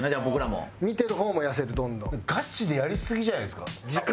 ガチでやりすぎじゃないですか？